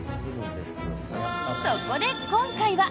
そこで今回は。